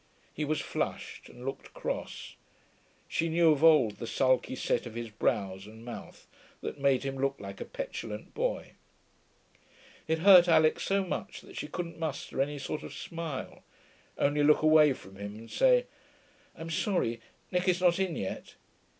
He was flushed, and looked cross; she knew of old the sulky set of his brows and mouth, that made him look like a petulant boy. It hurt Alix so much that she couldn't muster any sort of smile, only look away from him and say, 'I'm sorry; Nicky's not in yet.'